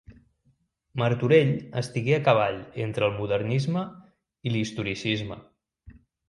Martorell estigué a cavall entre el modernisme i l'historicisme.